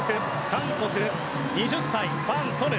韓国、２０歳のファン・ソヌ。